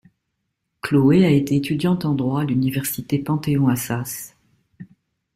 Chloé a été étudiante en droit à l'Université Panthéon Assas.